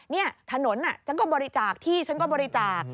นี่ถนนฉันก็บริจาคที่ฉันก็บริจาค